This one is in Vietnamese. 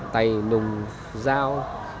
tày nùng dao